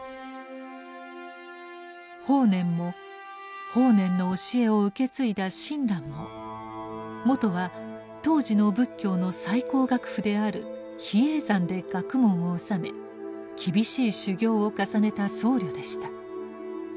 法然も法然の教えを受け継いだ親鸞ももとは当時の仏教の最高学府である比叡山で学問を修め厳しい修行を重ねた僧侶でした。